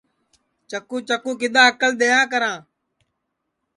چکُو چکُو کِدؔا اکل دؔئیا کرا